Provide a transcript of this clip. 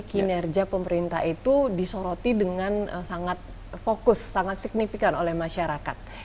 kinerja pemerintah itu disoroti dengan sangat fokus sangat signifikan oleh masyarakat